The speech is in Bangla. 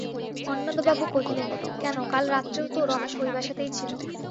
অন্নদাবাবু কহিলেন, কেন, কাল রাত্রেও তো রমেশ ঐ বাসাতেই ছিল।